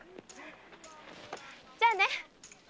じゃあね！